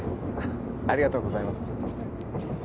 ありがとうございます。